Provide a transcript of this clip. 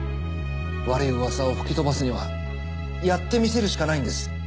悪いうわさを吹き飛ばすにはやってみせるしかないんです。